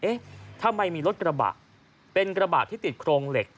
เอ๊ะทำไมมีรถกระบะเป็นกระบะที่ติดโครงเหล็ก